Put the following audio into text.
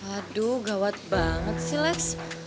aduh gawat banget si lex